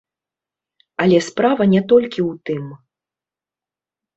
Але справа не толькі ў тым.